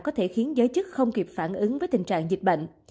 có thể khiến giới chức không kịp phản ứng với tình trạng dịch bệnh